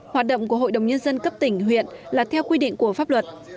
hoạt động của hội đồng nhân dân cấp tỉnh huyện là theo quy định của pháp luật